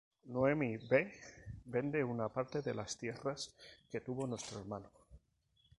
Noemi, b, vende una parte de las tierras que tuvo nuestro hermano.